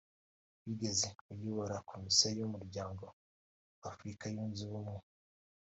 wigeze kuyobora Komisiyo y’umuryango wa Afurika Yunze Ubumwe